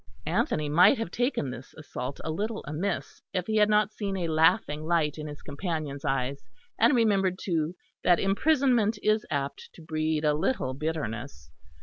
Anthony might have taken this assault a little amiss, if he had not seen a laughing light in his companion's eyes; and remembered, too, that imprisonment is apt to breed a little bitterness.